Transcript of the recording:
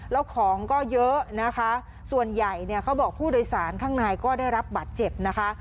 แล้วของก็เยอะนะคะส่วนใหญ่เนี่ยเขาบอกผู้โดยสารข้างในก็ได้รับบัตรเจ็บนะคะ